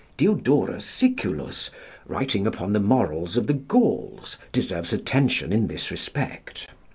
Diodorus Siculus, writing upon the morals of the Gauls, deserves attention in this respect.